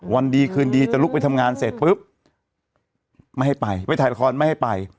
วันดีคืนดีจะลุกไปทำงานเสร็จปุ๊บไม่ให้ไปไปถ่ายละครไม่ให้ไป